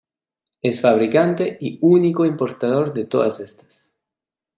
Es fabricante y único importador de todas estas.